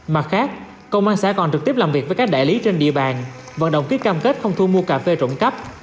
mặt khác công an xã còn trực tiếp làm việc với các đại lý trên địa bàn vận động ký cam kết không thu mua cà phê trộm cắp